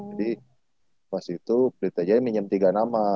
jadi pas itu pelita jaya minjem tiga nama